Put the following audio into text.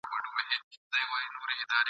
لکه روڼي د چینې اوبه ځلیږي ..